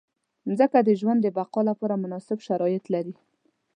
مځکه د ژوند د بقا لپاره مناسب شرایط لري.